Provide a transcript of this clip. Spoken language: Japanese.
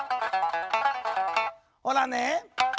ほらね！